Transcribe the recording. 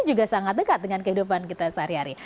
juga sangat dekat dengan kehidupan kita sehari hari